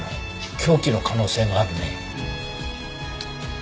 凶器の可能性があるね。